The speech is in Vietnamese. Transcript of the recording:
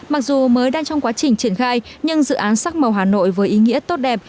mặc dù mới đang trong quá trình triển khai nhưng dự án sắc màu hà nội với ý nghĩa tốt đẹp